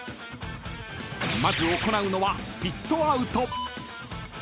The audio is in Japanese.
［まず行うのはピットアウト］